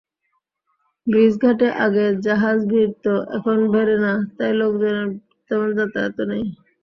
ব্রিজঘাটে আগে জাহাজ ভিড়ত, এখন ভেড়ে না, তাই লোকজনের তেমন যাতায়াতও নেই।